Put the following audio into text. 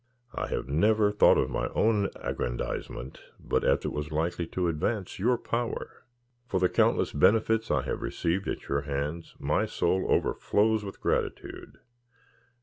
"I have never thought of my own aggrandisement, but as it was likely to advance your power. For the countless benefits I have received at your hands, my soul overflows with gratitude.